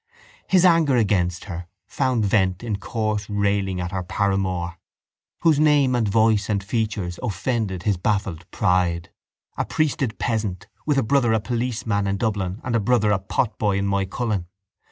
His anger against her found vent in coarse railing at her paramour, whose name and voice and features offended his baffled pride: a priested peasant, with a brother a policeman in Dublin and a brother a potboy in Moycullen.